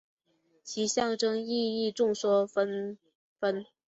其象征意义众说纷纭。